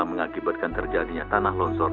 mengakibatkan terjadinya tanah lonsor